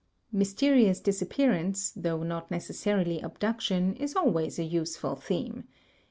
Mysterious disappearance, though not necessarily abduc tion, is always a useful theme.